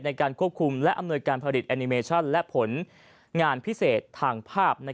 ในการควบคุมและอำนวยการผลิตแอนิเมชั่นและผลงานพิเศษทางภาพ